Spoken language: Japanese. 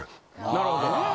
なるほど。